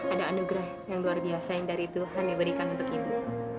ada anugerah yang luar biasa yang dari tuhan diberikan untuk ibu